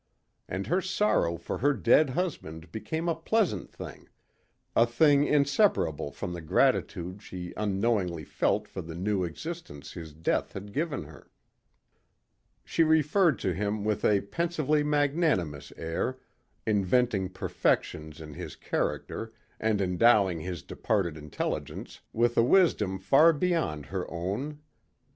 And her sorrow for her dead husband became a pleasant thing, a thing inseparable from the gratitude she unknowingly felt for the new existence his death had given her. She referred to him with a pensively magnanimous air, inventing perfections in his character and endowing his departed intelligence with a wisdom far beyond her own.